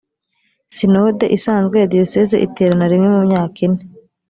sinode isanzwe ya diyoseze iterana rimwe mu myaka ine